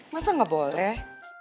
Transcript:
masa gak boleh